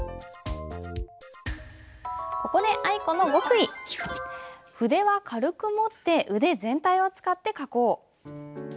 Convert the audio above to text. ここで筆は軽く持って腕全体を使って書こう。